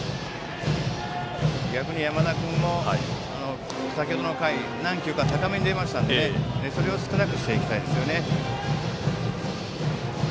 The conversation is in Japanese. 逆に山田君も、先程の回何球か高めに出ましたのでそれをストライクしていきたいですね。